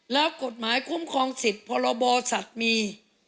แล้วกฎหมายคุ้มครองสิทธิ์พรบสัตว์มี